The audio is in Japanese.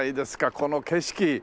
この景色！